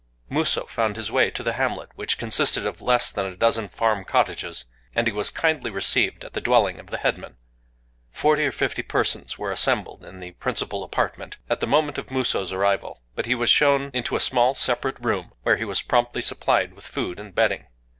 Musō found his way to the hamlet, which consisted of less than a dozen farm cottages; and he was kindly received at the dwelling of the headman. Forty or fifty persons were assembled in the principal apartment, at the moment of Musō's arrival; but he was shown into a small separate room, where he was promptly supplied with food and bedding.